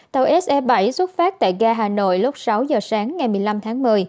tàu se bảy xuất phát tại ga hà nội lúc sáu giờ sáng ngày một mươi năm tháng một mươi